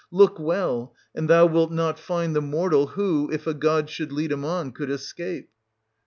Look well, and thou wilt not find the mortal who, if a god should lead him on, could escape.